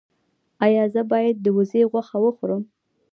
ایا زه باید د وزې غوښه وخورم؟